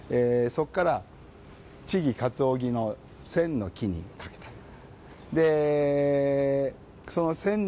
そこから「千木・鰹木」の「千の木」にかけた。